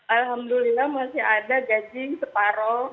alhamdulillah masih ada gaji separoh